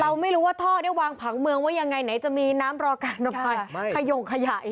เราไม่รู้ว่าท่อได้วางผังเมืองไว้ยังไงไหนจะมีน้ำรอการระบายขยงขยะ